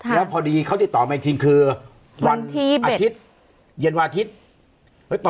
แล้วพอดีเขาติดต่อมาอีกทีคือวันอาทิตย์เย็นวันอาทิตย์